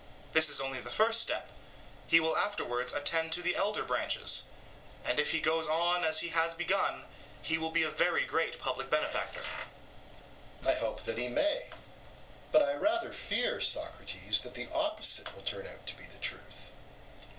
This is only the first step; he will afterwards attend to the elder branches; and if he goes on as he has begun, he will be a very great public benefactor. EUTHYPHRO: I hope that he may; but I rather fear, Socrates, that the opposite will turn out to be the truth.